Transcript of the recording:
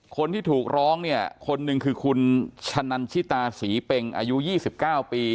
คนที่ถูกร้องเนี่ยคนหนึ่งคือคุณชะนันชิตาศรีเป็งอายุ๒๙ปี